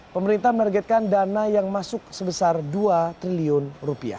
pemerintah menargetkan dana yang masuk sebesar dua triliun rupiah